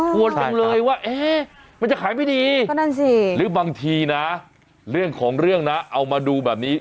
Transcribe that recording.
จังเลยว่าเอ๊ะมันจะขายไม่ดีก็นั่นสิหรือบางทีนะเรื่องของเรื่องนะเอามาดูแบบนี้